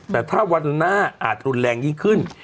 แต่ถ้าวันหน้าอาจรุนแรงยิ่งขึ้น